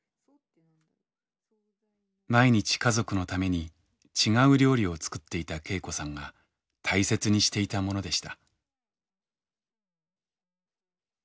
毎日家族のために違う料理を作っていた恵子さんが大切にしていたものでした。